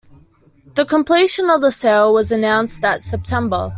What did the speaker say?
The completion of the sale was announced that September.